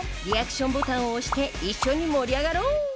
リアクションボタンを押して一緒に盛り上がろう！